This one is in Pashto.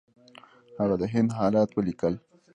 هغه د هند حالات ولیکل.